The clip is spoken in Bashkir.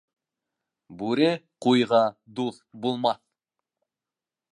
Бүре ҡуйға дуҫ булмаҫ.